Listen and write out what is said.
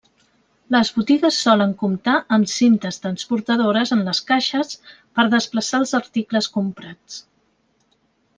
Les botigues solen comptar amb cintes transportadores en les caixes per desplaçar els articles comprats.